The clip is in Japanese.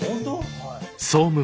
はい。